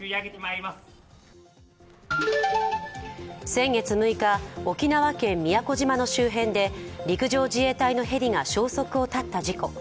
先月６日、沖縄県宮古島の周辺で陸上自衛隊のヘリが消息を絶った事故。